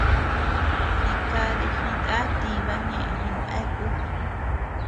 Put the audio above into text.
Jikadi jiná tiba ñeʼe jinbeaku.